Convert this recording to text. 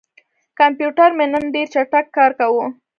کمپیوټر مې نن ډېر چټک کار کاوه.